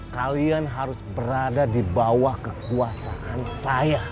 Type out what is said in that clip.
kalian harus berada di bawah kekuasaan saya